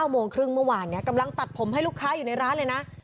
โมงครึ่งเมื่อวานกำลังตัดผมให้ลูกค้าอยู่ในร้านเลยนะ